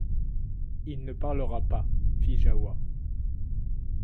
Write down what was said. Il ne parlera pas ! fit Jahoua.